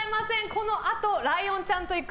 このあとライオンちゃんと行く！